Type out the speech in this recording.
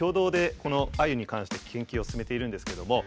このアユに関しての研究を進めているんですけども。